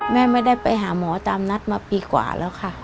แม่ไม่ได้ไปหาหมอตามนัดมาปีกว่าแล้วค่ะ